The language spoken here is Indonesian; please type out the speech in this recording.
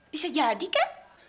bisa jadi kan